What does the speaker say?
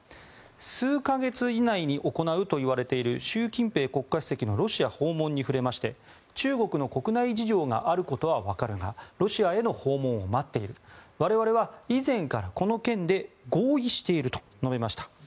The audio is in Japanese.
数か月以内に行うといわれている習近平国家主席のロシア訪問に触れまして中国の国内事情があることはわかるがロシアへの訪問を待っている我々は以前からこの件で合意していると述べました。